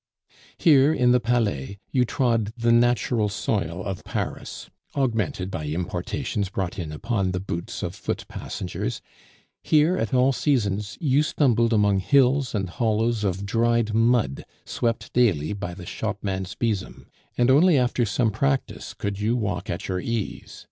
Here, in the Palais, you trod the natural soil of Paris, augmented by importations brought in upon the boots of foot passengers; here, at all seasons, you stumbled among hills and hollows of dried mud swept daily by the shopman's besom, and only after some practice could you walk at your ease.